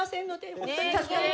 本当に助かって。